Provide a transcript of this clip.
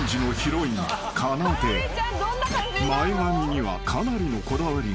［前髪にはかなりのこだわりが］